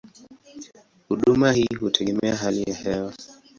Huduma hii hutegemea hali ya hewa.